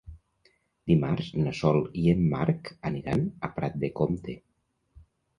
Dimarts na Sol i en Marc aniran a Prat de Comte.